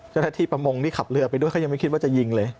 ประมงที่ขับเรือไปด้วยเขายังไม่คิดว่าจะยิงเลย